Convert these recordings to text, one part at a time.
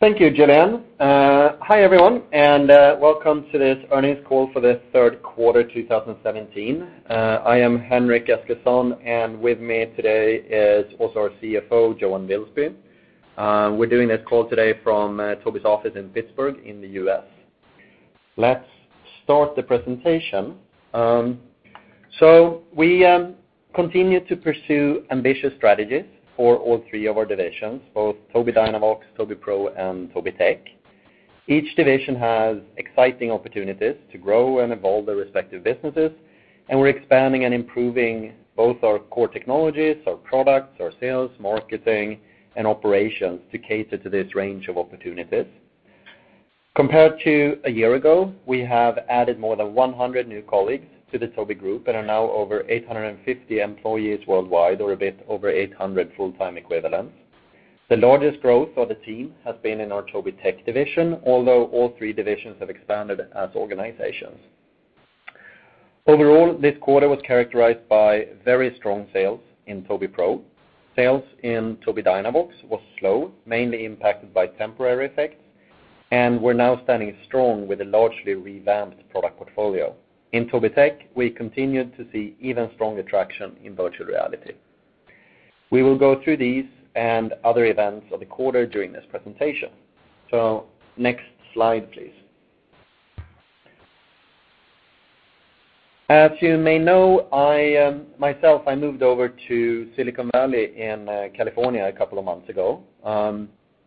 Thank you, Julian. Hi everyone, welcome to this earnings call for the third quarter 2017. I am Henrik Eskilsson, with me today is also our CFO, Johan Wilsby. We're doing this call today from Tobii's office in Pittsburgh in the U.S. Let's start the presentation. We continue to pursue ambitious strategies for all three of our divisions, both Tobii Dynavox, Tobii Pro, and Tobii Tech. Each division has exciting opportunities to grow and evolve their respective businesses, and we're expanding and improving both our core technologies, our products, our sales, marketing, and operations to cater to this range of opportunities. Compared to a year ago, we have added more than 100 new colleagues to the Tobii group and are now over 850 employees worldwide, or a bit over 800 full-time equivalents. The largest growth of the team has been in our Tobii Tech division, although all three divisions have expanded as organizations. Overall, this quarter was characterized by very strong sales in Tobii Pro. Sales in Tobii Dynavox was slow, mainly impacted by temporary effects. We're now standing strong with a largely revamped product portfolio. In Tobii Tech, we continued to see even stronger traction in virtual reality. We will go through these and other events of the quarter during this presentation. Next slide, please. As you may know, myself, I moved over to Silicon Valley in California a couple of months ago.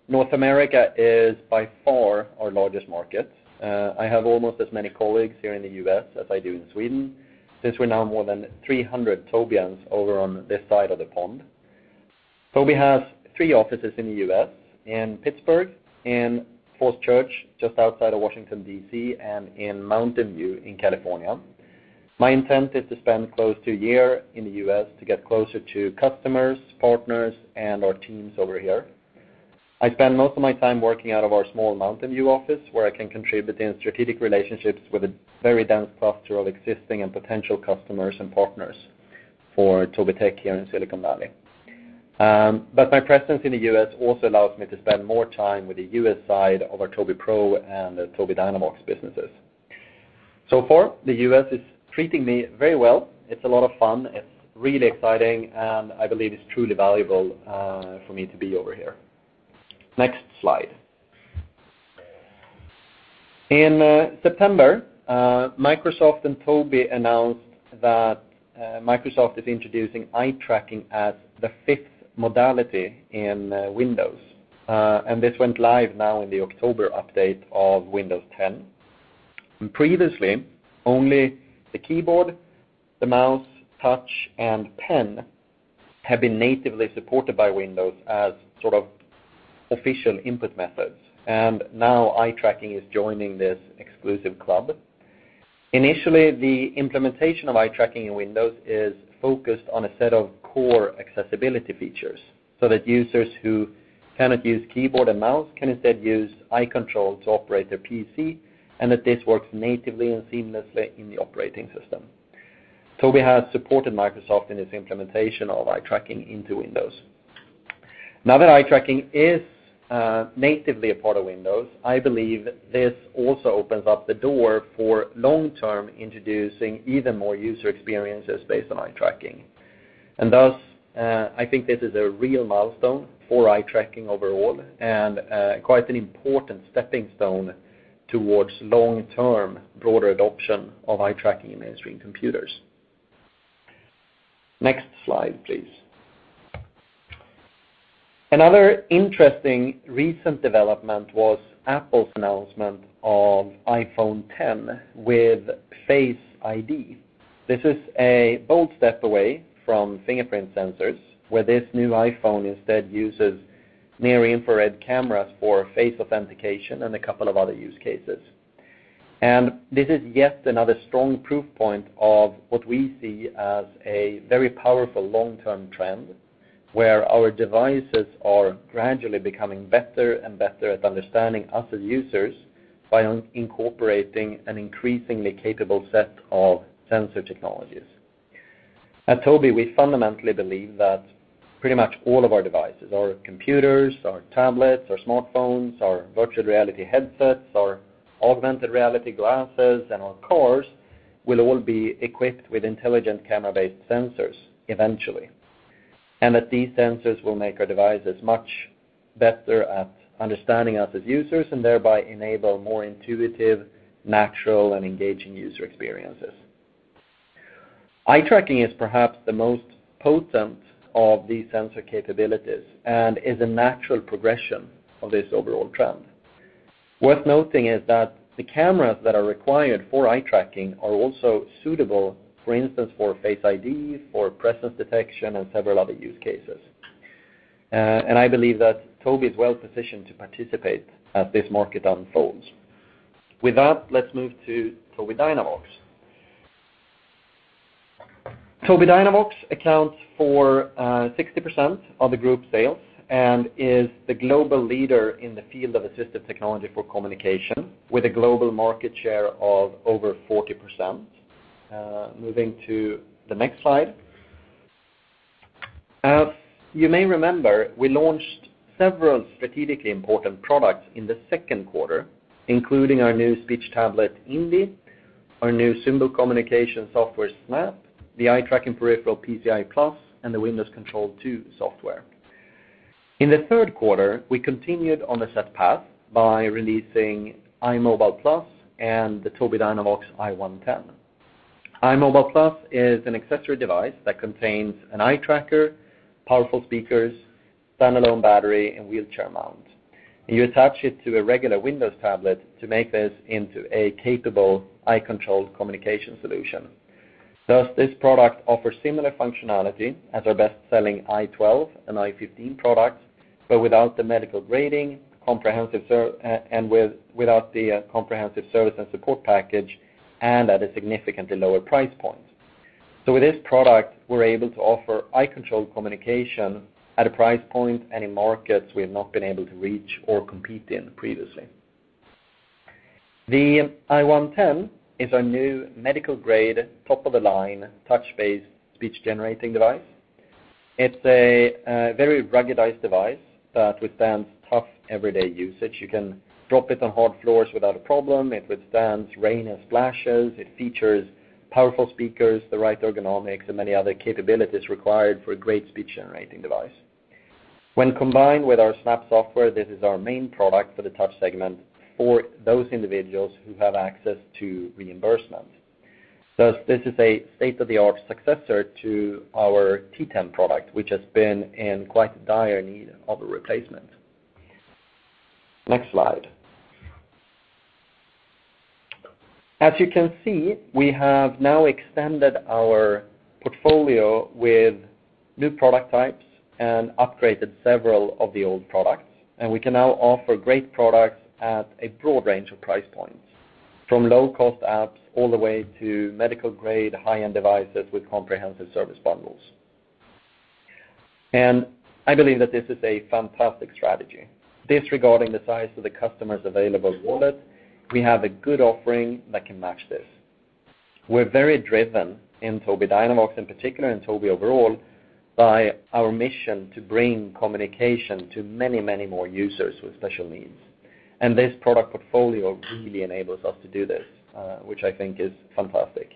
North America is by far our largest market. I have almost as many colleagues here in the U.S. as I do in Sweden, since we're now more than 300 Tobiians over on this side of the pond. Tobii has three offices in the U.S., in Pittsburgh, in Falls Church, just outside of Washington, D.C., and in Mountain View in California. My intent is to spend close to a year in the U.S. to get closer to customers, partners, and our teams over here. I spend most of my time working out of our small Mountain View office, where I can contribute in strategic relationships with a very dense cluster of existing and potential customers and partners for Tobii Tech here in Silicon Valley. My presence in the U.S. also allows me to spend more time with the U.S. side of our Tobii Pro and Tobii Dynavox businesses. So far, the U.S. is treating me very well. It's a lot of fun. It's really exciting, and I believe it's truly valuable for me to be over here. Next slide. In September, Microsoft and Tobii announced that Microsoft is introducing eye tracking as the fifth modality in Windows. This went live now in the October update of Windows 10. Previously, only the keyboard, the mouse, touch, and pen have been natively supported by Windows as sort of official input methods. Now eye tracking is joining this exclusive club. Initially, the implementation of eye tracking in Windows is focused on a set of core accessibility features, so that users who cannot use keyboard and mouse can instead use eye control to operate their PC, and that this works natively and seamlessly in the operating system. Tobii has supported Microsoft in its implementation of eye tracking into Windows. Now that eye tracking is natively a part of Windows, I believe this also opens up the door for long-term introducing even more user experiences based on eye tracking. Thus, I think this is a real milestone for eye tracking overall and quite an important stepping stone towards long-term broader adoption of eye tracking in mainstream computers. Next slide, please. Another interesting recent development was Apple's announcement of iPhone X with Face ID. This is a bold step away from fingerprint sensors, where this new iPhone instead uses near-infrared cameras for face authentication and a couple of other use cases. This is yet another strong proof point of what we see as a very powerful long-term trend, where our devices are gradually becoming better and better at understanding us as users by incorporating an increasingly capable set of sensor technologies. At Tobii, we fundamentally believe that pretty much all of our devices, our computers, our tablets, our smartphones, our virtual reality headsets, our augmented reality glasses, and our cars will all be equipped with intelligent camera-based sensors eventually. These sensors will make our devices much better at understanding us as users and thereby enable more intuitive, natural, and engaging user experiences. Eye tracking is perhaps the most potent of these sensor capabilities and is a natural progression of this overall trend. Worth noting is that the cameras that are required for eye tracking are also suitable, for instance, for Face ID, for presence detection, and several other use cases. I believe that Tobii is well-positioned to participate as this market unfolds. With that, let's move to Tobii Dynavox. Tobii Dynavox accounts for 60% of the group sales and is the global leader in the field of assistive technology for communication, with a global market share of over 40%. Moving to the next slide. As you may remember, we launched several strategically important products in the second quarter, including our new speech tablet, Indi, our new symbol communication software, Snap, the eye tracking peripheral, PCEye Plus, and the Windows Control 2 software. In the third quarter, we continued on the set path by releasing EyeMobile Plus and the Tobii Dynavox I-110. EyeMobile Plus is an accessory device that contains an eye tracker, powerful speakers, standalone battery, and wheelchair mount. You attach it to a regular Windows tablet to make this into a capable eye-controlled communication solution. Thus, this product offers similar functionality as our best-selling I-12 and I-15 products, but without the medical grading, and without the comprehensive service and support package, and at a significantly lower price point. With this product, we're able to offer eye-controlled communication at a price point and in markets we have not been able to reach or compete in previously. The I-110 is our new medical-grade, top-of-the-line touch-based speech-generating device. It's a very ruggedized device that withstands tough, everyday usage. You can drop it on hard floors without a problem. It withstands rain and splashes. It features powerful speakers, the right ergonomics, and many other capabilities required for a great speech-generating device. When combined with our Snap software, this is our main product for the touch segment for those individuals who have access to reimbursement. This is a state-of-the-art successor to our T10 product, which has been in quite dire need of a replacement. Next slide. As you can see, we have now extended our portfolio with new product types and upgraded several of the old products. We can now offer great products at a broad range of price points, from low-cost apps all the way to medical-grade, high-end devices with comprehensive service bundles. I believe that this is a fantastic strategy. Disregarding the size of the customer's available wallet, we have a good offering that can match this. We're very driven in Tobii Dynavox, in particular, and Tobii overall, by our mission to bring communication to many, many more users with special needs. This product portfolio really enables us to do this, which I think is fantastic.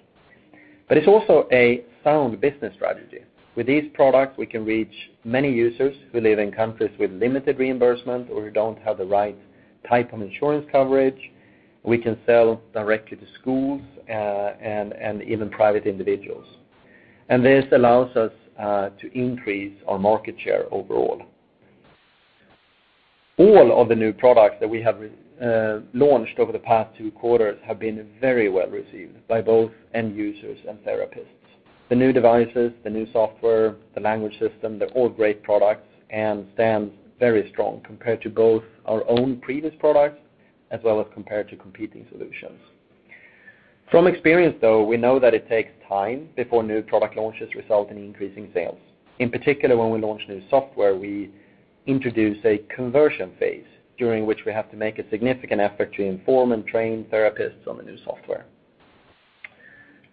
It's also a sound business strategy. With these products, we can reach many users who live in countries with limited reimbursement or who don't have the right type of insurance coverage. We can sell directly to schools, and even private individuals. This allows us to increase our market share overall. All of the new products that we have launched over the past two quarters have been very well received by both end users and therapists. The new devices, the new software, the language system, they're all great products and stand very strong compared to both our own previous products as well as compared to competing solutions. From experience, though, we know that it takes time before new product launches result in increasing sales. In particular, when we launch new software, we introduce a conversion phase during which we have to make a significant effort to inform and train therapists on the new software.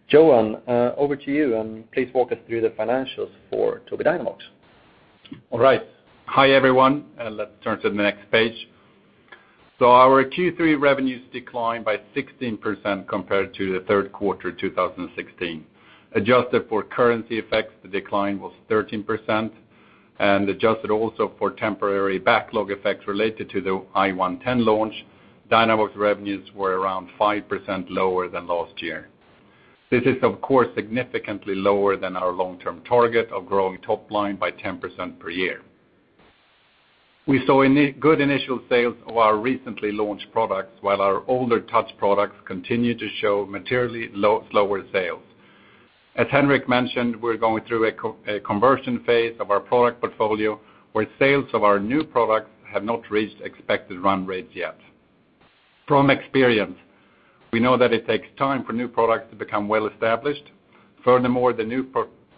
Johan, over to you, and please walk us through the financials for Tobii Dynavox. All right. Hi, everyone. Let's turn to the next page. Our Q3 revenues declined by 16% compared to the third quarter 2016. Adjusted for currency effects, the decline was 13%, and adjusted also for temporary backlog effects related to the I-110 launch, Dynavox revenues were around 5% lower than last year. This is, of course, significantly lower than our long-term target of growing top line by 10% per year. We saw good initial sales of our recently launched products while our older touch products continue to show materially lower sales. As Henrik mentioned, we're going through a conversion phase of our product portfolio, where sales of our new products have not reached expected run rates yet. From experience, we know that it takes time for new products to become well-established. Furthermore, the new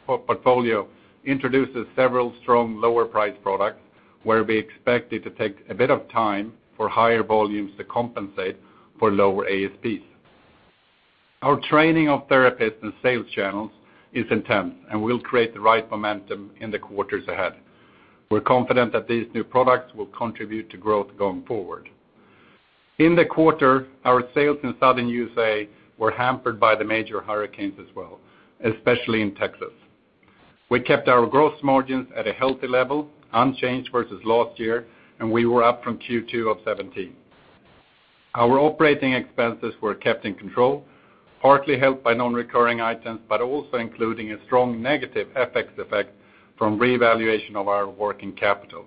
portfolio introduces several strong lower-priced products, where we expect it to take a bit of time for higher volumes to compensate for lower ASPs. Our training of therapists and sales channels is intense and will create the right momentum in the quarters ahead. We're confident that these new products will contribute to growth going forward. In the quarter, our sales in Southern U.S.A. were hampered by the major hurricanes as well, especially in Texas. We kept our gross margins at a healthy level, unchanged versus last year, and we were up from Q2 of 2017. Our operating expenses were kept in control, partly helped by non-recurring items, but also including a strong negative FX effect from revaluation of our working capital.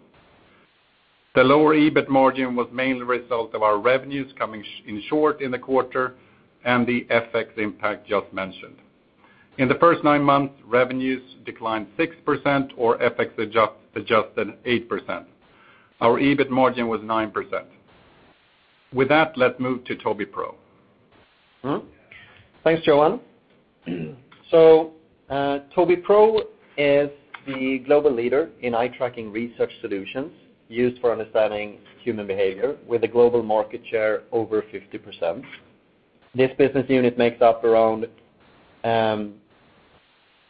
The lower EBIT margin was mainly the result of our revenues coming in short in the quarter and the FX impact just mentioned. In the first nine months, revenues declined 6%, or FX-adjusted, 8%. Our EBIT margin was 9%. With that, let's move to Tobii Pro. Thanks, Johan. Tobii Pro is the global leader in eye tracking research solutions used for understanding human behavior with a global market share over 50%. This business unit makes up around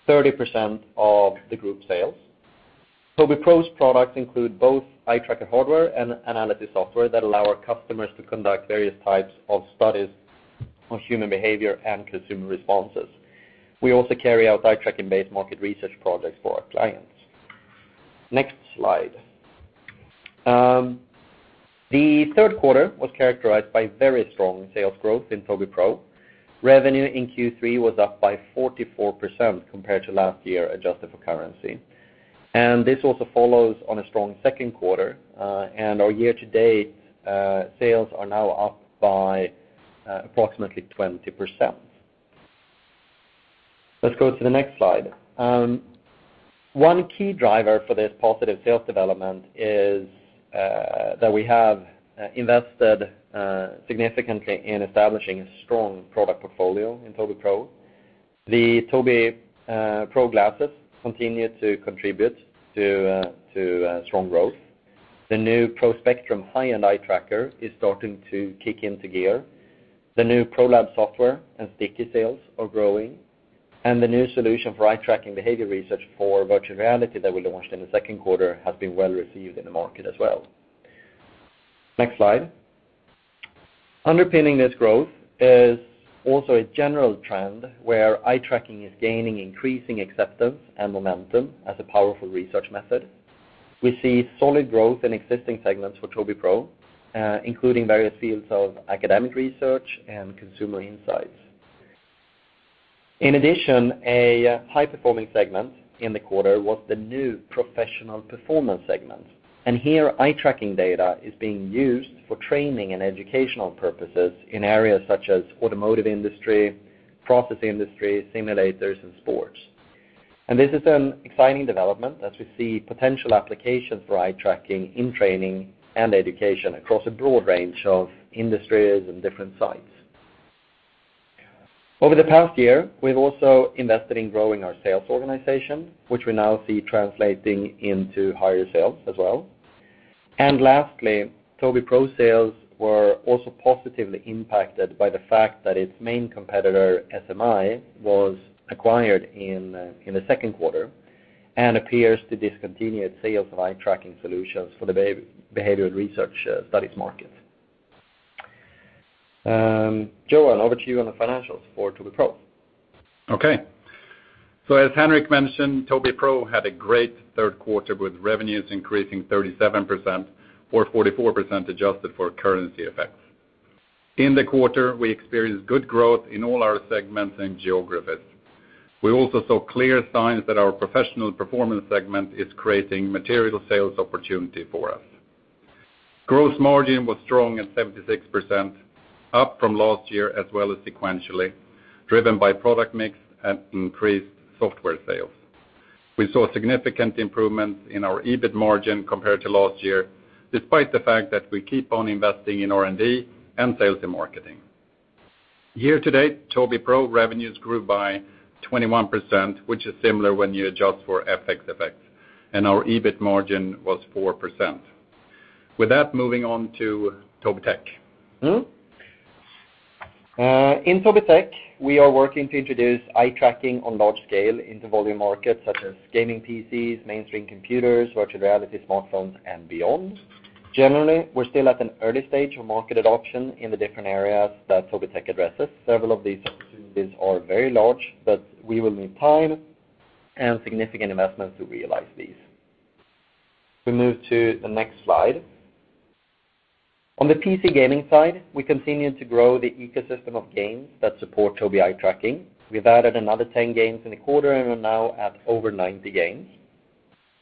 30% of the group sales. Tobii Pro's products include both eye tracker hardware and analysis software that allow our customers to conduct various types of studies on human behavior and consumer responses. We also carry out eye tracking-based market research projects for our clients. Next slide. The third quarter was characterized by very strong sales growth in Tobii Pro. Revenue in Q3 was up by 44% compared to last year, adjusted for currency. This also follows on a strong second quarter, and our year-to-date sales are now up by approximately 20%. Let's go to the next slide. One key driver for this positive sales development is that we have invested significantly in establishing a strong product portfolio in Tobii Pro. The Tobii Pro Glasses continue to contribute to strong growth. The new Tobii Pro Spectrum high-end eye tracker is starting to kick into gear. The new Tobii Pro Lab software and Sticky sales are growing, and the new solution for eye tracking behavior research for virtual reality that we launched in the second quarter has been well-received in the market as well. Next slide. Underpinning this growth is also a general trend where eye tracking is gaining increasing acceptance and momentum as a powerful research method. We see solid growth in existing segments for Tobii Pro, including various fields of academic research and consumer insights. In addition, a high-performing segment in the quarter was the new professional performance segment. Here, eye tracking data is being used for training and educational purposes in areas such as automotive industry, process industry, simulators, and sports. This is an exciting development as we see potential applications for eye tracking in training and education across a broad range of industries and different sites. Over the past year, we've also invested in growing our sales organization, which we now see translating into higher sales as well. Lastly, Tobii Pro sales were also positively impacted by the fact that its main competitor, SMI, was acquired in the second quarter and appears to discontinued sales of eye tracking solutions for the behavioral research studies market. Johan, over to you on the financials for Tobii Pro. Okay. As Henrik mentioned, Tobii Pro had a great third quarter, with revenues increasing 37%, or 44% adjusted for currency effects. In the quarter, we experienced good growth in all our segments and geographies. We also saw clear signs that our professional performance segment is creating material sales opportunity for us. Gross margin was strong at 76%, up from last year as well as sequentially, driven by product mix and increased software sales. We saw significant improvements in our EBIT margin compared to last year, despite the fact that we keep on investing in R&D and sales and marketing. Year-to-date, Tobii Pro revenues grew by 21%, which is similar when you adjust for FX effects, and our EBIT margin was 4%. With that, moving on to Tobii Tech. In Tobii Tech, we are working to introduce eye tracking on large scale into volume markets such as gaming PCs, mainstream computers, virtual reality, smartphones, and beyond. Generally, we're still at an early stage of market adoption in the different areas that Tobii Tech addresses. Several of these opportunities are very large, but we will need time and significant investment to realize these. We move to the next slide. On the PC gaming side, we continue to grow the ecosystem of games that support Tobii eye tracking. We've added another 10 games in the quarter and are now at over 90 games.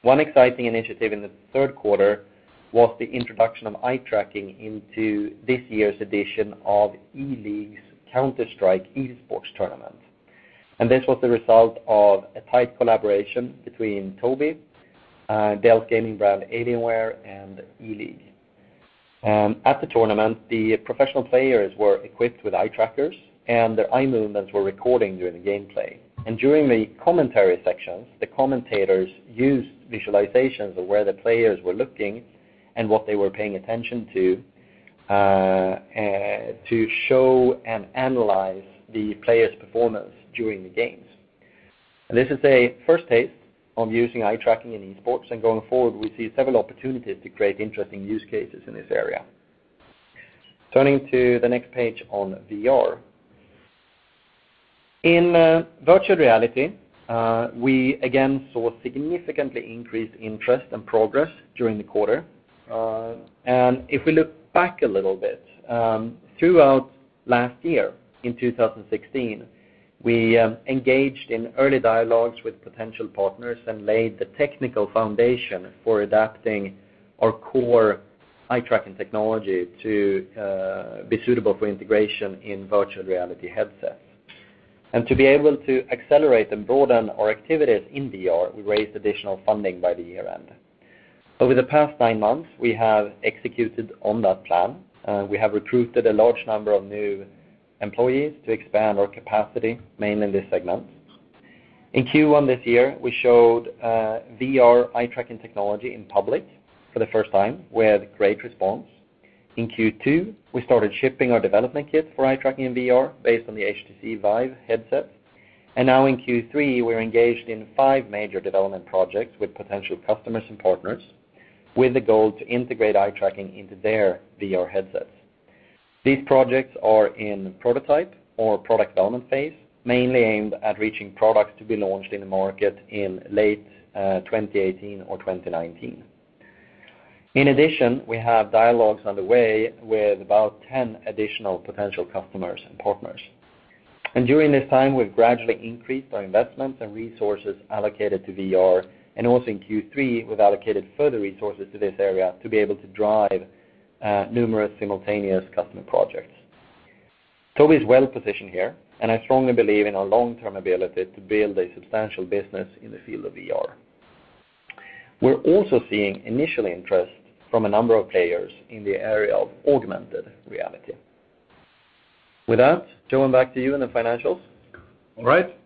One exciting initiative in the third quarter was the introduction of eye tracking into this year's edition of ELEAGUE's Counter-Strike esports tournament. This was the result of a tight collaboration between Tobii, Dell's gaming brand Alienware, and ELEAGUE. At the tournament, the professional players were equipped with eye trackers, and their eye movements were recorded during the gameplay. During the commentary sections, the commentators used visualizations of where the players were looking and what they were paying attention to show and analyze the players' performance during the games. This is a first taste of using eye tracking in esports, going forward, we see several opportunities to create interesting use cases in this area. Turning to the next page on VR. In virtual reality, we again saw significantly increased interest and progress during the quarter. If we look back a little bit, throughout last year, in 2016, we engaged in early dialogues with potential partners and laid the technical foundation for adapting our core eye tracking technology to be suitable for integration in virtual reality headsets. To be able to accelerate and broaden our activities in VR, we raised additional funding by the year-end. Over the past nine months, we have executed on that plan. We have recruited a large number of new employees to expand our capacity, mainly in this segment. In Q1 this year, we showed VR eye tracking technology in public for the first time. We had great response. In Q2, we started shipping our development kit for eye tracking and VR based on the HTC VIVE headset. Now in Q3, we're engaged in five major development projects with potential customers and partners, with the goal to integrate eye tracking into their VR headsets. These projects are in prototype or product development phase, mainly aimed at reaching products to be launched in the market in late 2018 or 2019. In addition, we have dialogues underway with about 10 additional potential customers and partners. During this time, we've gradually increased our investments and resources allocated to VR, and also in Q3, we've allocated further resources to this area to be able to drive numerous simultaneous customer projects. Tobii is well-positioned here, and I strongly believe in our long-term ability to build a substantial business in the field of VR. We're also seeing initial interest from a number of players in the area of augmented reality. With that, Johan, back to you and the financials. All right.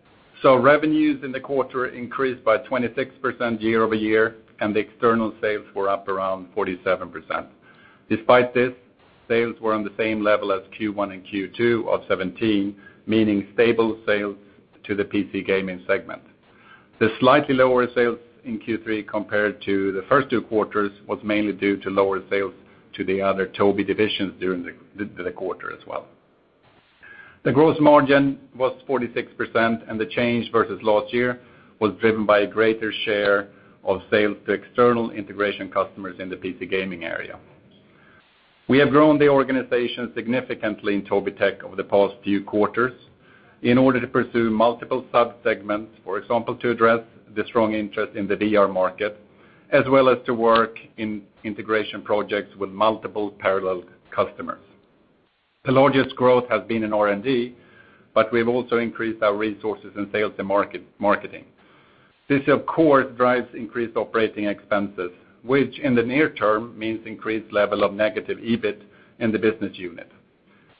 Revenues in the quarter increased by 26% year-over-year, and the external sales were up around 47%. Despite this, sales were on the same level as Q1 and Q2 of 2017, meaning stable sales to the PC gaming segment. The slightly lower sales in Q3 compared to the first two quarters was mainly due to lower sales to the other Tobii divisions during the quarter as well. The gross margin was 46%, and the change versus last year was driven by a greater share of sales to external integration customers in the PC gaming area. We have grown the organization significantly in Tobii Tech over the past few quarters in order to pursue multiple sub-segments, for example, to address the strong interest in the VR market, as well as to work in integration projects with multiple parallel customers. The largest growth has been in R&D, but we've also increased our resources and sales to marketing. This, of course, drives increased operating expenses, which in the near term means increased level of negative EBIT in the business unit.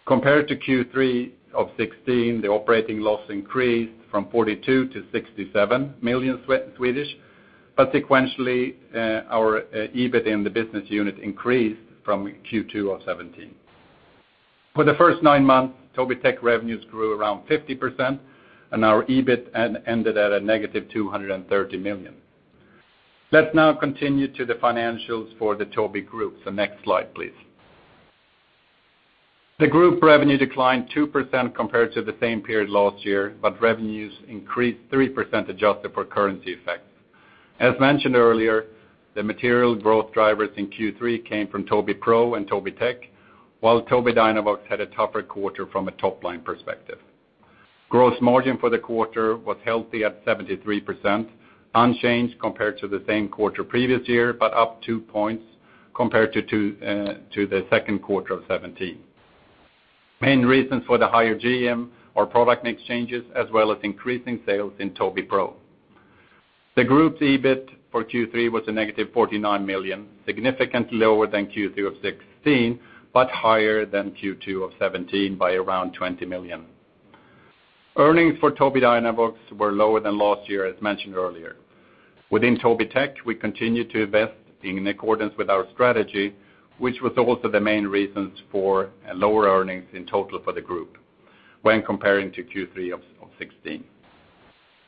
Compared to Q3 of 2016, the operating loss increased from 42 million to 67 million, but sequentially, our EBIT in the business unit increased from Q2 of 2017. For the first nine months, Tobii Tech revenues grew around 50%, and our EBIT ended at a negative 230 million. Let's now continue to the financials for the Tobii Group. Next slide, please. The Group revenue declined 2% compared to the same period last year, but revenues increased 3% adjusted for currency effects. As mentioned earlier, the material growth drivers in Q3 came from Tobii Pro and Tobii Tech, while Tobii Dynavox had a tougher quarter from a top-line perspective. Gross margin for the quarter was healthy at 73%, unchanged compared to the same quarter previous year, up two points compared to the second quarter of 2017. Main reasons for the higher GM are product mix changes, as well as increasing sales in Tobii Pro. The group's EBIT for Q3 was a negative 49 million, significantly lower than Q3 of 2016, higher than Q2 of 2017 by around 20 million. Earnings for Tobii Dynavox were lower than last year, as mentioned earlier. Within Tobii Tech, we continued to invest in accordance with our strategy, which was also the main reasons for lower earnings in total for the group when comparing to Q3 of 2016.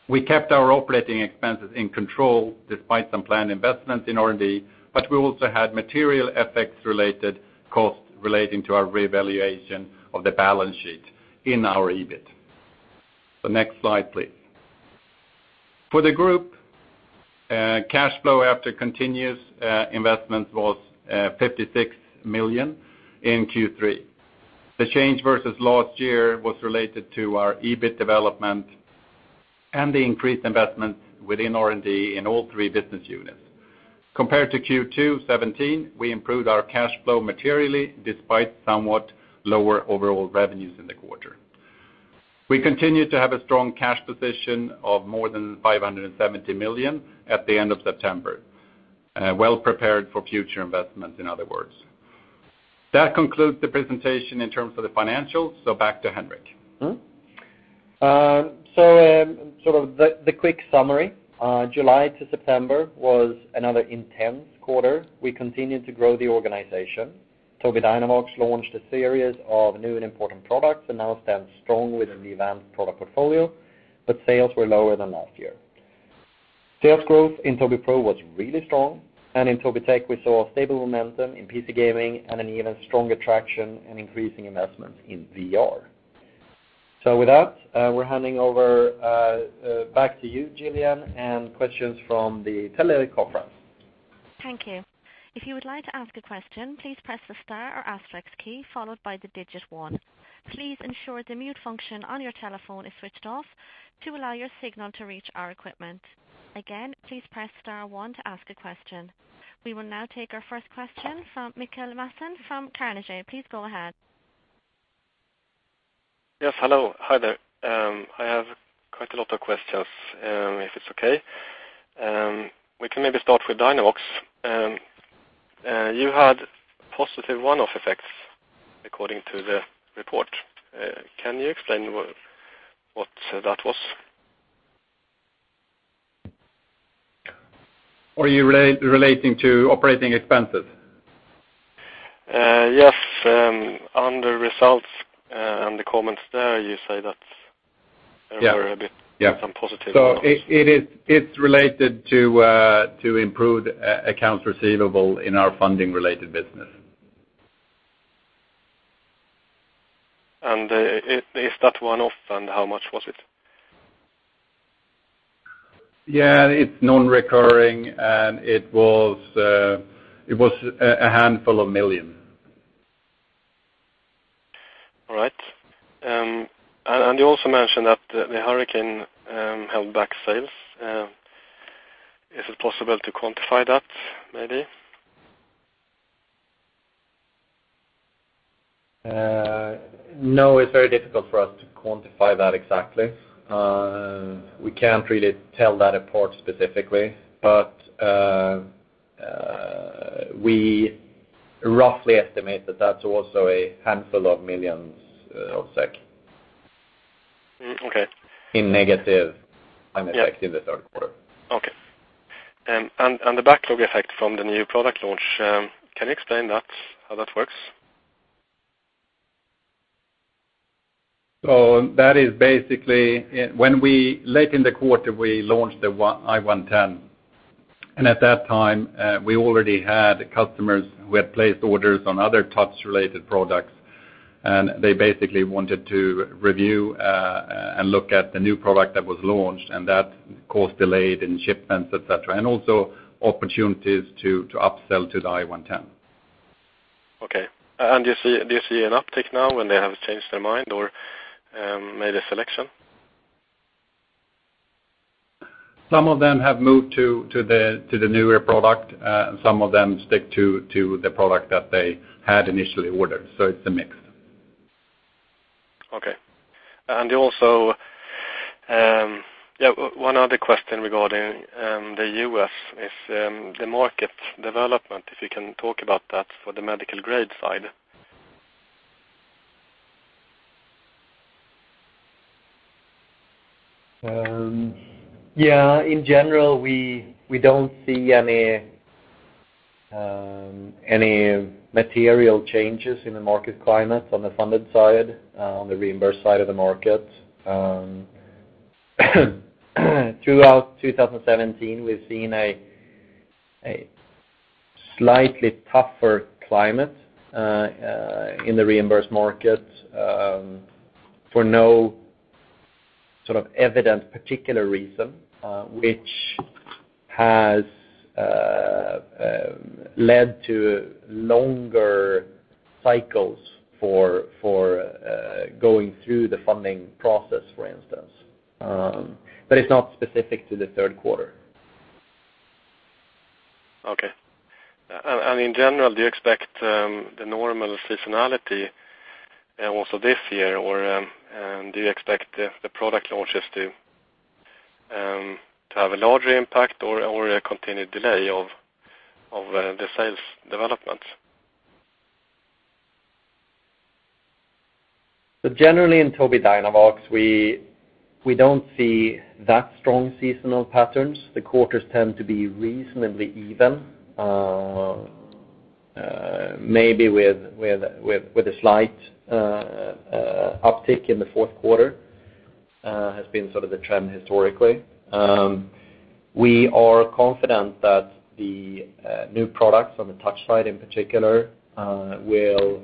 We kept our operating expenses in control despite some planned investments in R&D, we also had material effects related costs relating to our revaluation of the balance sheet in our EBIT. Next slide, please. For the group, cash flow after continuous investment was 56 million in Q3. The change versus last year was related to our EBIT development and the increased investment within R&D in all three business units. Compared to Q2 2017, we improved our cash flow materially despite somewhat lower overall revenues in the quarter. We continue to have a strong cash position of more than 570 million at the end of September. Well prepared for future investments, in other words. That concludes the presentation in terms of the financials. Back to Henrik. The quick summary. July to September was another intense quarter. We continued to grow the organization. Tobii Dynavox launched a series of new and important products and now stands strong with an advanced product portfolio, sales were lower than last year. Sales growth in Tobii Pro was really strong, and in Tobii Tech, we saw stable momentum in PC gaming and an even stronger traction and increasing investment in VR. With that, we're handing over back to you, Julian, and questions from the teleconference. Thank you. If you would like to ask a question, please press the star or asterisk key followed by the digit one. Please ensure the mute function on your telephone is switched off to allow your signal to reach our equipment. Again, please press star one to ask a question. We will now take our first question from Mikael Laséen from Carnegie. Please go ahead. Yes, hello. Hi there. I have quite a lot of questions, if it's okay. We can maybe start with Dynavox. You had positive one-off effects according to the report. Can you explain what that was? Are you relating to operating expenses? Yes. Under results and the comments there, you say that- Yeah there were some positive ones. It's related to improved accounts receivable in our funding-related business. Is that one-off, and how much was it? Yeah, it's non-recurring, and it was a handful of million. All right. You also mentioned that the hurricane held back sales. Is it possible to quantify that, maybe? It's very difficult for us to quantify that exactly. We can't really tell that apart specifically. We roughly estimate that that's also a handful of millions of SEK. Okay. In negative effect in the third quarter. Okay. The backlog effect from the new product launch, can you explain how that works? That is basically, late in the quarter, we launched the I-110, and at that time, we already had customers who had placed orders on other Touch-related products, and they basically wanted to review and look at the new product that was launched, and that caused delayed in shipments, et cetera. Also opportunities to up-sell to the I-110. Okay. Do you see an uptick now when they have changed their mind or made a selection? Some of them have moved to the newer product, and some of them stick to the product that they had initially ordered. It's a mix. Okay. One other question regarding the U.S., is the market development, if you can talk about that for the medical grade side. Yeah. In general, we don't see any material changes in the market climate on the funded side, on the reimbursed side of the market. Throughout 2017, we've seen a slightly tougher climate in the reimbursed market for no sort of evident particular reason, which has led to longer cycles for going through the funding process, for instance. It's not specific to the third quarter. In general, do you expect the normal seasonality also this year, or do you expect the product launches to have a larger impact or a continued delay of the sales development? Generally, in Tobii Dynavox, we don't see that strong seasonal patterns. The quarters tend to be reasonably even, maybe with a slight uptick in the fourth quarter, has been sort of the trend historically. We are confident that the new products on the Touch side in particular, will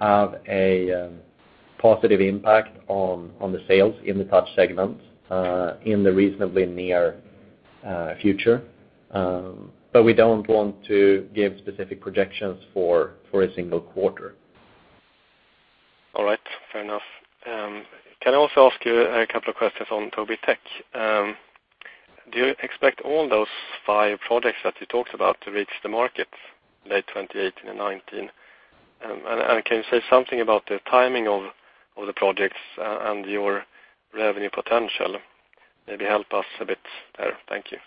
have a positive impact on the sales in the Touch segment, in the reasonably near future. We don't want to give specific projections for a single quarter. All right, fair enough. Can I also ask you a couple of questions on Tobii Tech? Do you expect all those five projects that you talked about to reach the market late 2018 and '19? Can you say something about the timing of the projects and your revenue potential? Maybe help us a bit there. Thank you.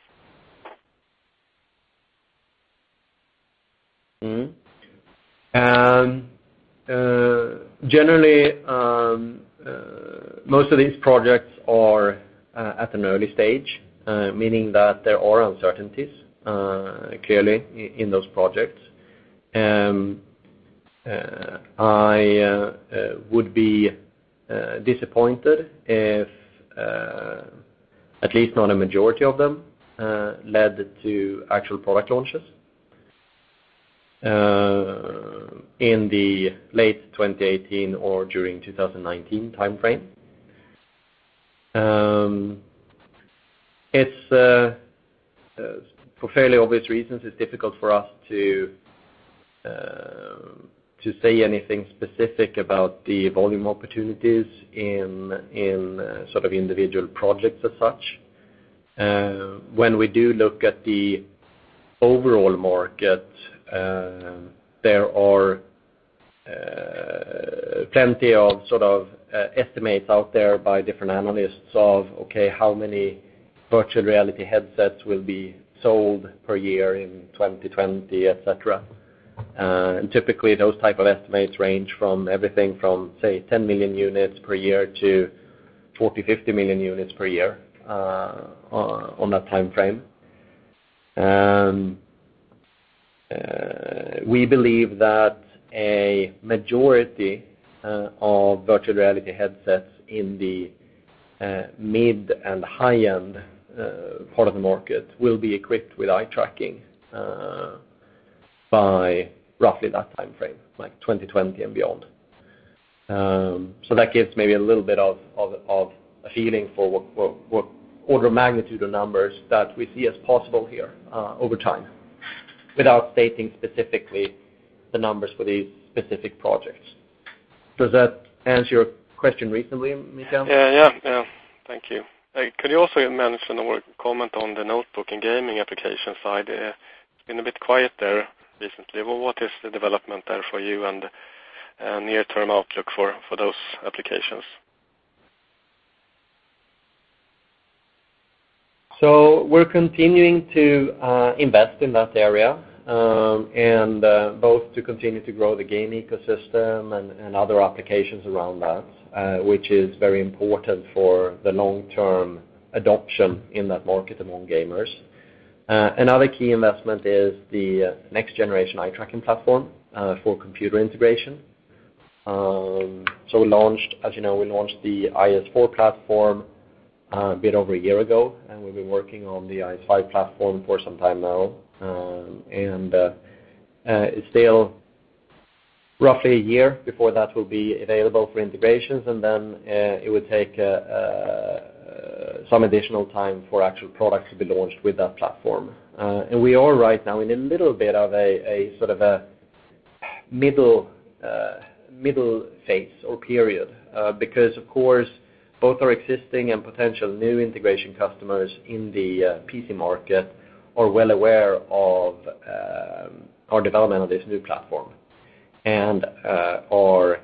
Generally, most of these projects are at an early stage, meaning that there are uncertainties, clearly, in those projects. I would be disappointed if at least not a majority of them led to actual product launches in the late 2018 or during 2019 timeframe. For fairly obvious reasons, it's difficult for us to say anything specific about the volume opportunities in sort of individual projects as such. When we do look at the overall market, there are plenty of sort of estimates out there by different analysts of, okay, how many Virtual reality headsets will be sold per year in 2020, et cetera. Typically, those type of estimates range from everything from, say, 10 million units per year to 40, 50 million units per year, on that timeframe. We believe that a majority of virtual reality headsets in the mid and high-end part of the market will be equipped with eye tracking by roughly that timeframe, like 2020 and beyond. That gives maybe a little bit of a feeling for what order of magnitude of numbers that we see as possible here over time, without stating specifically the numbers for these specific projects. Does that answer your question reasonably, Mikael? Yeah. Thank you. Could you also mention or comment on the notebook and gaming application side? Been a bit quiet there recently. What is the development there for you and near-term outlook for those applications? We're continuing to invest in that area, and both to continue to grow the gaming ecosystem and other applications around that, which is very important for the long-term adoption in that market among gamers. Another key investment is the next generation eye tracking platform, for computer integration. We launched, as you know, the IS4 platform a bit over a year ago, and we've been working on the IS5 platform for some time now. It's still roughly a year before that will be available for integrations, and then it would take some additional time for actual products to be launched with that platform. We are, right now, in a little bit of a middle phase or period, because, of course, both our existing and potential new integration customers in the PC market are well aware of our development of this new platform and are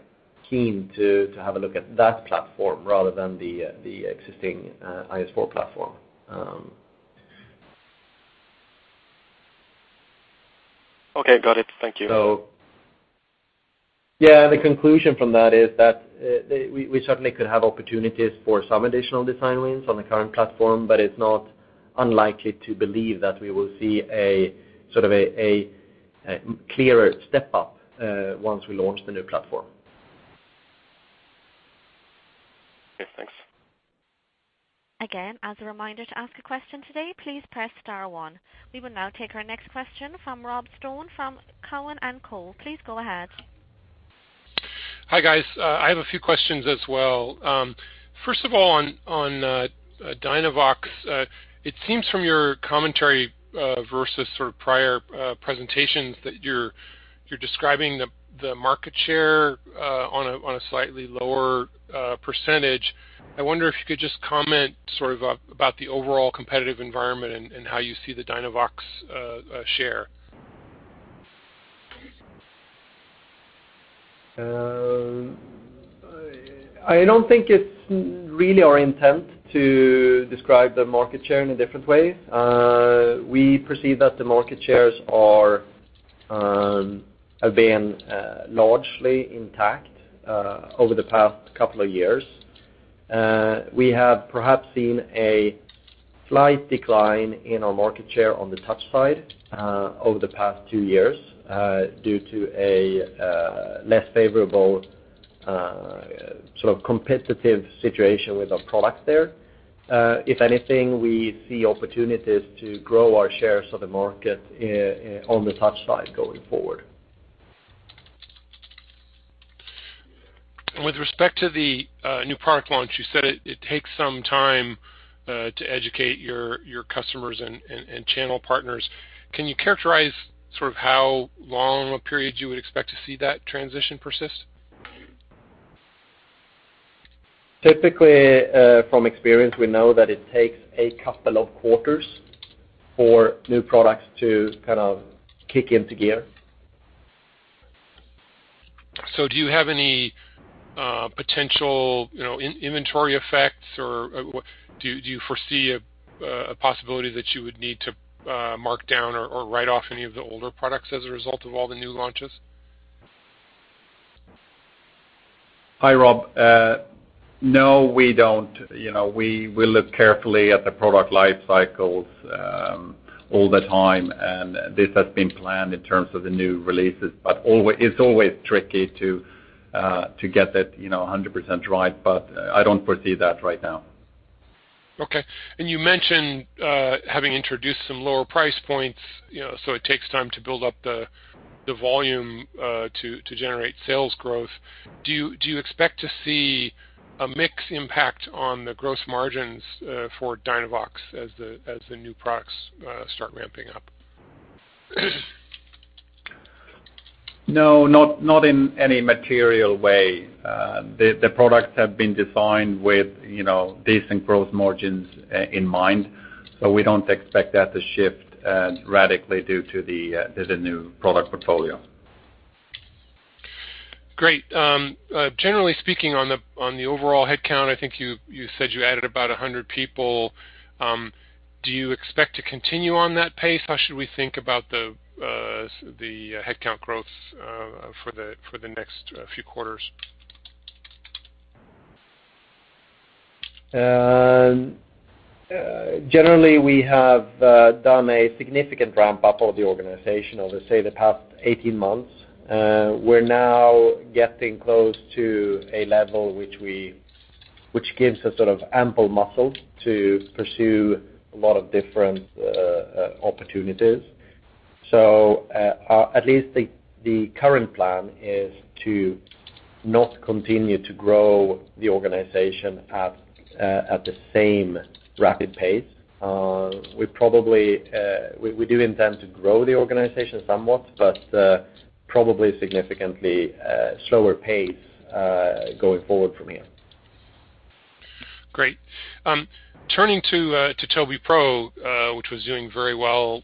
keen to have a look at that platform rather than the existing IS4 platform. Okay, got it. Thank you. Yeah, the conclusion from that is that we certainly could have opportunities for some additional design wins on the current platform, but it's not unlikely to believe that we will see a clearer step-up, once we launch the new platform. Okay, thanks. Again, as a reminder to ask a question today, please press star one. We will now take our next question from Rob Stone from Cowen and Company. Please go ahead. Hi, guys. I have a few questions as well. First of all, on Tobii Dynavox, it seems from your commentary, versus prior presentations, that you're describing the market share on a slightly lower %. I wonder if you could just comment about the overall competitive environment and how you see the Tobii Dynavox share. I don't think it's really our intent to describe the market share in a different way. We perceive that the market shares have been largely intact over the past couple of years. We have perhaps seen a slight decline in our market share on the touch side, over the past two years, due to a less favorable competitive situation with our product there. If anything, we see opportunities to grow our shares of the market on the touch side going forward. With respect to the new product launch, you said it takes some time to educate your customers and channel partners. Can you characterize how long a period you would expect to see that transition persist? Typically, from experience, we know that it takes a couple of quarters for new products to kick into gear. Do you have any potential inventory effects, or do you foresee a possibility that you would need to mark down or write off any of the older products as a result of all the new launches? Hi, Rob. No, we don't. We look carefully at the product life cycles all the time, and this has been planned in terms of the new releases. It's always tricky to get that 100% right, but I don't foresee that right now. Okay. You mentioned having introduced some lower price points, so it takes time to build up the volume to generate sales growth. Do you expect to see a mix impact on the gross margins for Tobii Dynavox as the new products start ramping up? No, not in any material way. The products have been designed with decent growth margins in mind. We don't expect that to shift radically due to the new product portfolio. Great. Generally speaking, on the overall headcount, I think you said you added about 100 people. Do you expect to continue on that pace? How should we think about the headcount growth for the next few quarters? Generally, we have done a significant ramp-up of the organization over, say, the past 18 months. We're now getting close to a level which gives us ample muscle to pursue a lot of different opportunities. At least the current plan is to not continue to grow the organization at the same rapid pace. We do intend to grow the organization somewhat, but probably at a significantly slower pace going forward from here. Great. Turning to Tobii Pro, which was doing very well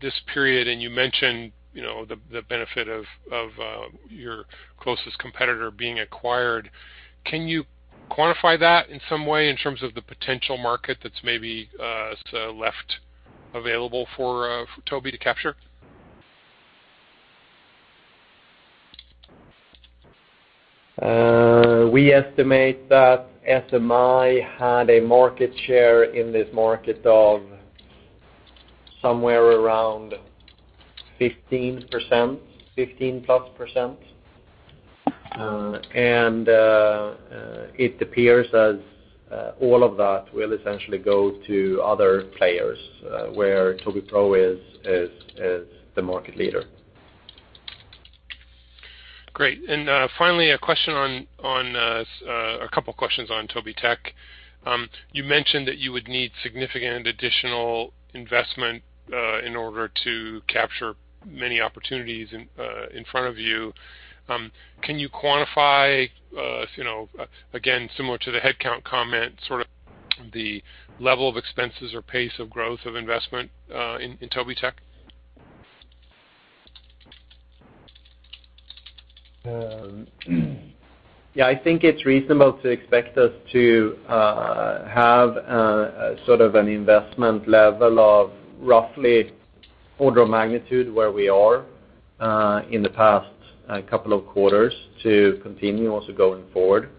this period, you mentioned the benefit of your closest competitor being acquired. Can you quantify that in some way in terms of the potential market that's maybe left available for Tobii to capture? We estimate that SMI had a market share in this market of somewhere around 15+%. It appears as all of that will essentially go to other players, where Tobii Pro is the market leader. Finally, a couple questions on Tobii Tech. You mentioned that you would need significant additional investment in order to capture many opportunities in front of you. Can you quantify, again, similar to the headcount comment, the level of expenses or pace of growth of investment in Tobii Tech? I think it's reasonable to expect us to have an investment level of roughly order of magnitude where we are in the past couple of quarters to continue also going forward.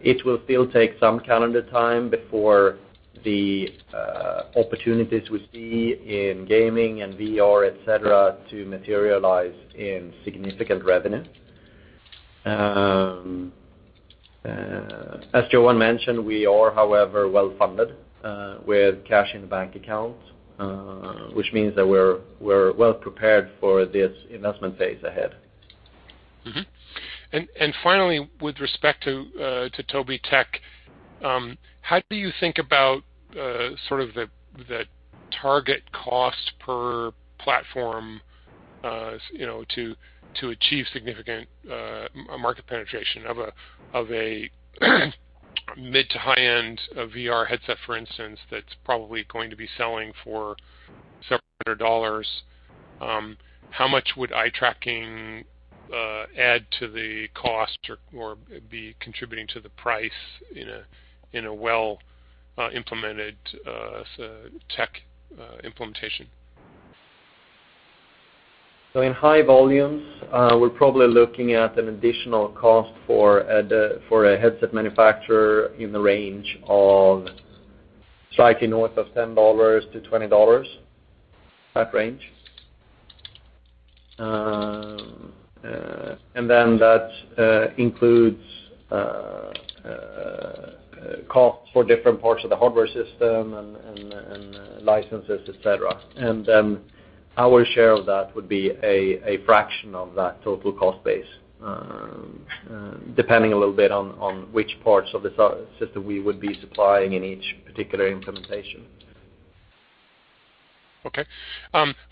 It will still take some calendar time before the opportunities we see in gaming and VR, et cetera, to materialize in significant revenue. As Johan mentioned, we are, however, well-funded with cash in bank accounts, which means that we're well prepared for this investment phase ahead. Finally, with respect to Tobii Tech, how do you think about the target cost per platform to achieve significant market penetration of a mid to high-end VR headset, for instance, that's probably going to be selling for several hundred dollars. How much would eye tracking add to the cost or be contributing to the price in a well-implemented tech implementation? In high volumes, we're probably looking at an additional cost for a headset manufacturer in the range of slightly north of $10-$20, that range. That includes cost for different parts of the hardware system and licenses, et cetera. Our share of that would be a fraction of that total cost base, depending a little bit on which parts of the system we would be supplying in each particular implementation. Okay.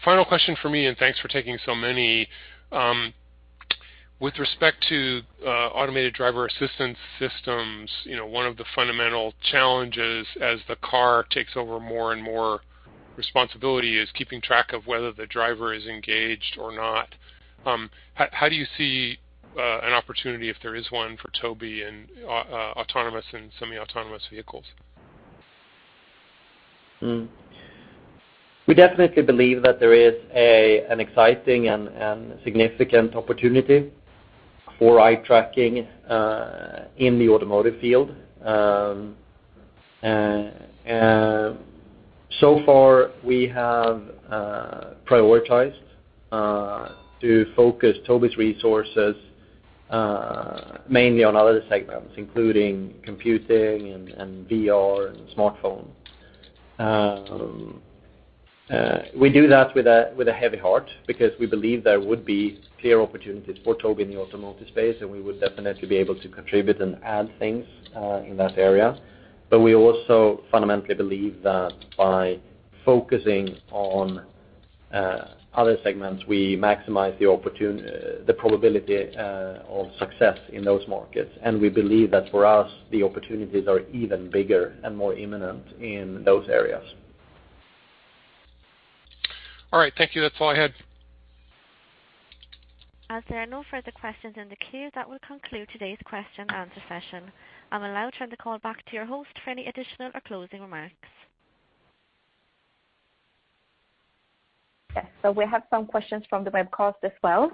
Final question from me. Thanks for taking so many. With respect to automated driver assistance systems, one of the fundamental challenges as the car takes over more and more responsibility is keeping track of whether the driver is engaged or not. How do you see an opportunity, if there is one, for Tobii in autonomous and semi-autonomous vehicles? We definitely believe that there is an exciting and significant opportunity for eye tracking in the automotive field. Far, we have prioritized to focus Tobii's resources mainly on other segments, including computing and VR and smartphone. We do that with a heavy heart because we believe there would be clear opportunities for Tobii in the automotive space. We would definitely be able to contribute and add things in that area. We also fundamentally believe that by focusing on other segments, we maximize the probability of success in those markets. We believe that for us, the opportunities are even bigger and more imminent in those areas. All right. Thank you. That's all I had. As there are no further questions in the queue, that will conclude today's question and answer session. I'm going to now turn the call back to your host for any additional or closing remarks. Yes. We have some questions from the webcast as well.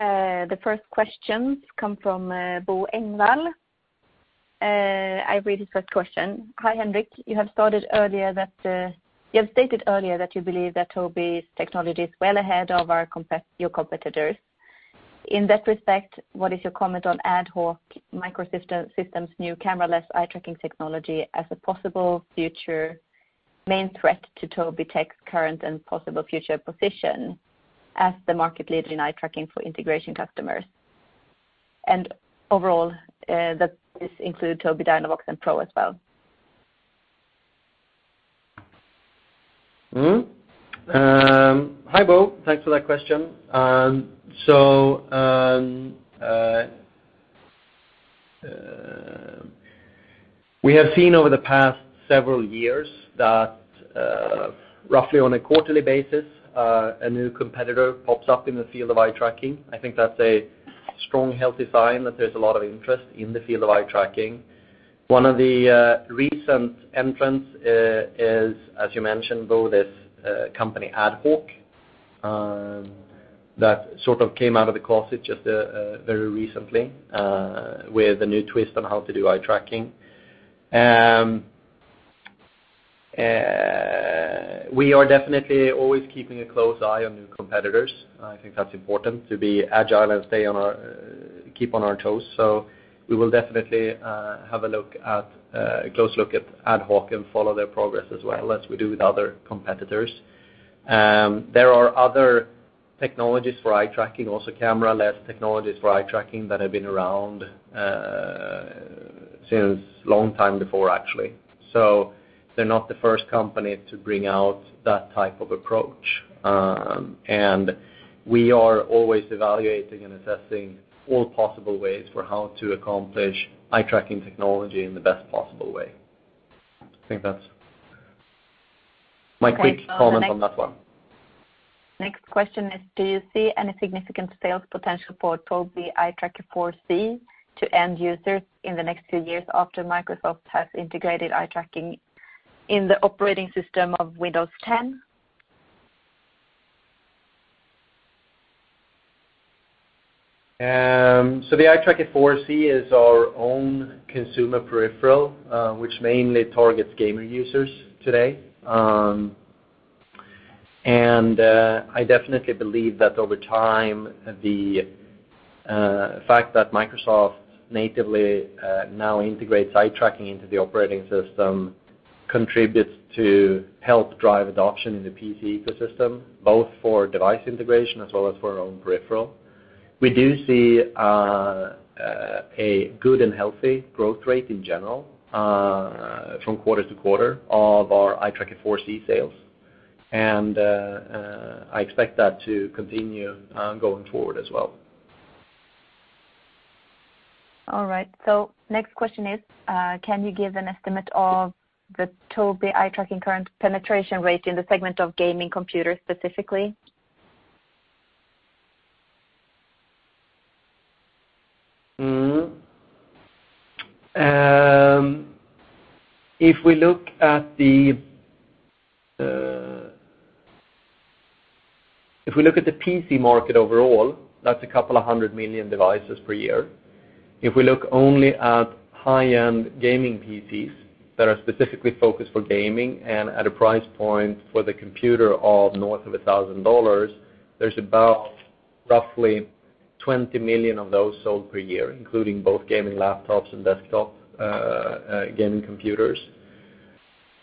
The first questions come from Bo Engvall. I read his first question. Hi, Henrik. You have stated earlier that you believe that Tobii technology is well ahead of your competitors. In that respect, what is your comment on AdHawk Microsystems' new camera-less eye-tracking technology as a possible future main threat to Tobii Tech's current and possible future position as the market leader in eye tracking for integration customers? Overall, does this include Tobii Dynavox and Pro as well? Hi, Bo. Thanks for that question. We have seen over the past several years that roughly on a quarterly basis, a new competitor pops up in the field of eye tracking. I think that's a strong healthy sign that there's a lot of interest in the field of eye tracking. One of the recent entrants is, as you mentioned, Bo, this company, AdHawk, that sort of came out of the closet just very recently, with a new twist on how to do eye tracking. We are definitely always keeping a close eye on new competitors. I think that's important to be agile and keep on our toes. We will definitely have a close look at AdHawk and follow their progress as well as we do with other competitors. There are other technologies for eye tracking, also camera-less technologies for eye tracking that have been around since long time before actually. They're not the first company to bring out that type of approach. We are always evaluating and assessing all possible ways for how to accomplish eye-tracking technology in the best possible way. I think that's my quick comment on that one. Next question is, do you see any significant sales potential for Tobii Eye Tracker 4C to end users in the next two years after Microsoft has integrated eye tracking in the operating system of Windows 10? The Eye Tracker 4C is our own consumer peripheral, which mainly targets gamer users today. I definitely believe that over time, the fact that Microsoft natively now integrates eye tracking into the operating system contributes to help drive adoption in the PC ecosystem, both for device integration as well as for our own peripheral. We do see a good and healthy growth rate in general, from quarter-to-quarter of our Eye Tracker 4C sales. I expect that to continue going forward as well. All right. Next question is, can you give an estimate of the Tobii eye tracking current penetration rate in the segment of gaming computers specifically? If we look at the PC market overall, that's a couple of hundred million devices per year. If we look only at high-end gaming PCs that are specifically focused for gaming and at a price point for the computer of north of $1,000, there's about roughly 20 million of those sold per year, including both gaming laptops and desktop gaming computers.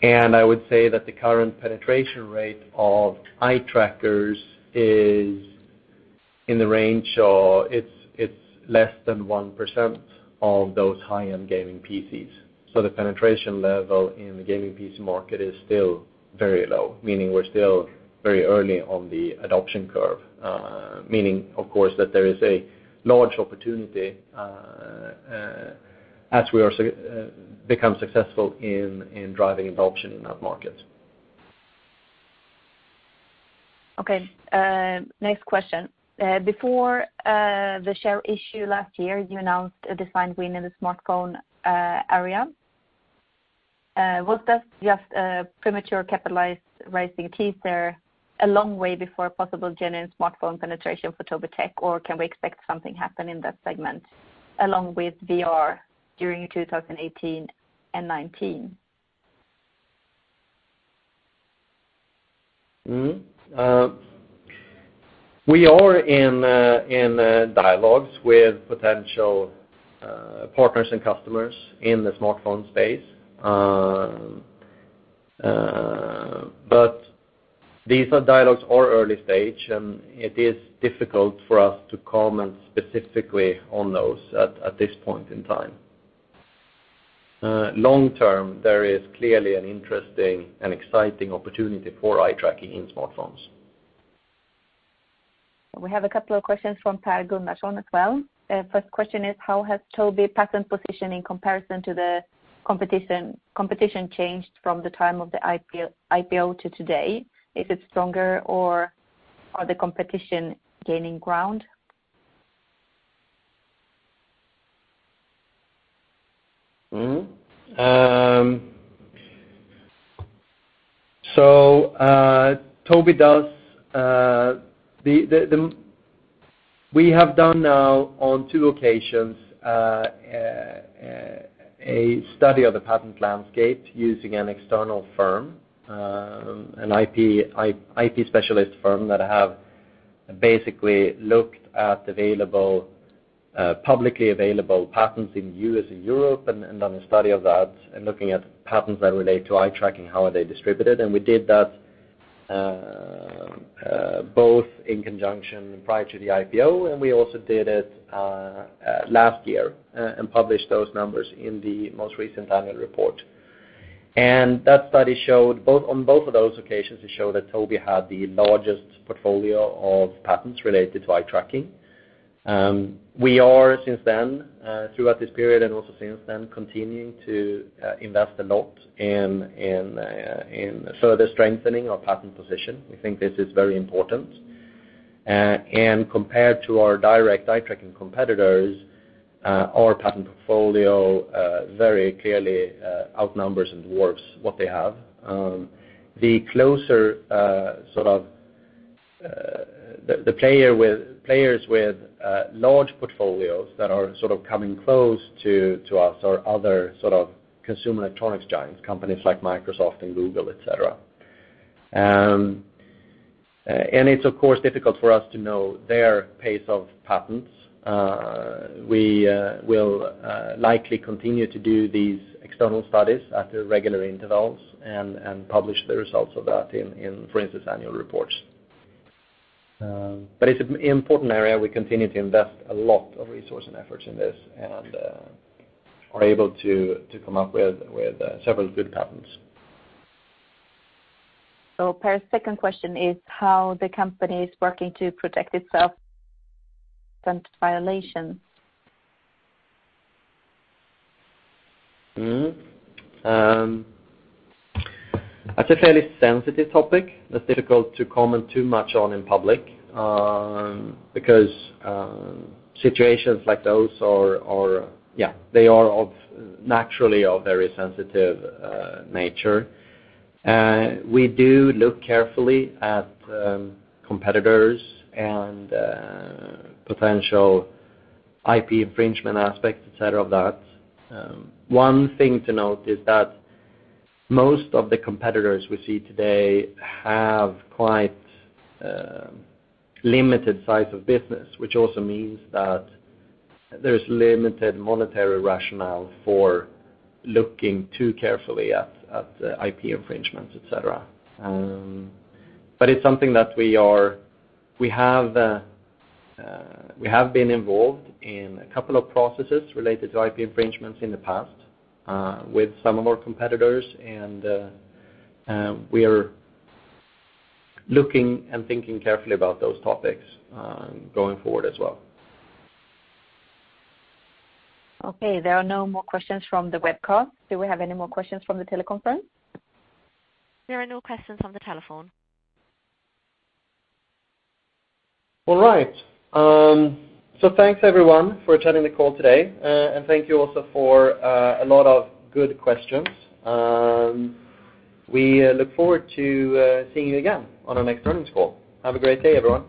I would say that the current penetration rate of eye trackers is in the range of less than 1% of those high-end gaming PCs. The penetration level in the gaming PC market is still very low, meaning we're still very early on the adoption curve. Meaning, of course, that there is a large opportunity as we become successful in driving adoption in that market. Okay, next question. Before the share issue last year, you announced a design win in the smartphone area. Was that just a premature capitalized raising teaser a long way before possible genuine smartphone penetration for Tobii Tech, or can we expect something happen in that segment along with VR during 2018 and 2019? We are in dialogues with potential partners and customers in the smartphone space. These are dialogues or early stage, and it is difficult for us to comment specifically on those at this point in time. Long term, there is clearly an interesting and exciting opportunity for eye tracking in smartphones. We have a couple of questions from Per Gunnarsson as well. First question is, how has Tobii patent position in comparison to the competition changed from the time of the IPO to today? Is it stronger or are the competition gaining ground? We have done now on two occasions a study of the patent landscape using an external firm, an IP specialist firm that have basically looked at publicly available patents in U.S. and Europe and done a study of that and looking at patents that relate to eye tracking, how are they distributed. We did that both in conjunction prior to the IPO, and we also did it last year, and published those numbers in the most recent annual report. That study showed on both of those occasions, it showed that Tobii had the largest portfolio of patents related to eye tracking. We are since then, throughout this period and also since then, continuing to invest a lot in further strengthening our patent position. We think this is very important. Compared to our direct eye tracking competitors, our patent portfolio very clearly outnumbers and dwarfs what they have. The closer the players with large portfolios that are coming close to us are other consumer electronics giants, companies like Microsoft and Google, et cetera. It's, of course, difficult for us to know their pace of patents. We will likely continue to do these external studies at regular intervals and publish the results of that in, for instance, annual reports. It's an important area. We continue to invest a lot of resource and efforts in this, and are able to come up with several good patents. Per's second question is how the company is working to protect itself from patent violations. That's a fairly sensitive topic that's difficult to comment too much on in public, because situations like those are naturally of very sensitive nature. We do look carefully at competitors and potential IP infringement aspects, et cetera, of that. One thing to note is that most of the competitors we see today have quite limited size of business, which also means that there's limited monetary rationale for looking too carefully at IP infringements, et cetera. It's something that we have been involved in a couple of processes related to IP infringements in the past with some of our competitors. We are looking and thinking carefully about those topics going forward as well. Okay, there are no more questions from the webcast. Do we have any more questions from the teleconference? There are no questions from the telephone. All right. Thanks everyone for attending the call today. Thank you also for a lot of good questions. We look forward to seeing you again on our next earnings call. Have a great day, everyone.